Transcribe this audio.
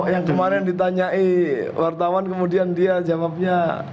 yang kemarin ditanyai wartawan kemudian dia jawabnya